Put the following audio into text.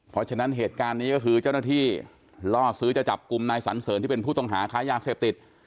เพราะฉะนั้นเหตุการณ์นี้ก็คือเจ้าหน้าที่ล่อซื้อจะจับกลุ่มนายสันเสริญที่เป็นผู้ต้องหาค้ายาเสพติด